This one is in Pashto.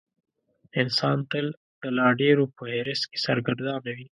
انسان تل د لا ډېرو په حرص کې سرګردانه وي.